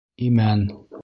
Имән